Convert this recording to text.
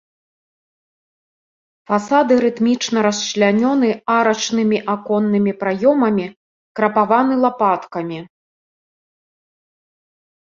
Фасады рытмічна расчлянёны арачнымі аконнымі праёмамі, крапаваны лапаткамі.